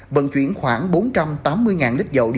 vận chuyển khoảng bốn trăm tám mươi lít dầu